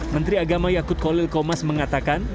menteri agama yakut kolil komas mengatakan